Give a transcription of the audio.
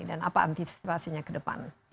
dan apa antisipasinya ke depan